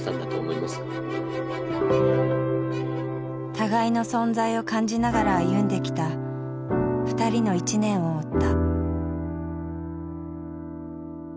互いの存在を感じながら歩んできた２人の一年を追った。